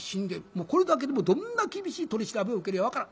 もうこれだけでもどんな厳しい取り調べを受けるや分からん。